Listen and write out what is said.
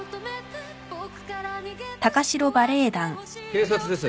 警察です。